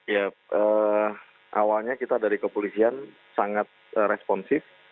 ya awalnya kita dari kepolisian sangat responsif